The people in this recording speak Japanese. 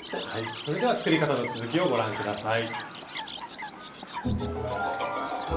それでは作り方の続きをご覧ください。